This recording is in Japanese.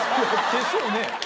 でしょうね